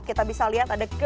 kita bisa lihat ada